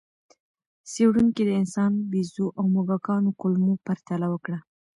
څېړونکي د انسان، بیزو او موږکانو کولمو پرتله وکړه.